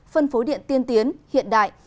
phân phối điện tiên tiến hiện đại